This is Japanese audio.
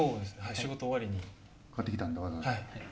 仕事終わりに買ってきたんだわざわざ。